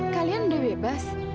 kalian udah bebas